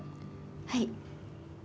はい。